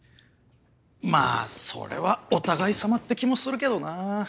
まあそれはお互いさまって気もするけどな。